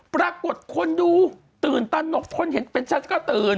ปรากฏคนดูตื่นตนกคนเห็นเป็นฉันก็ตื่น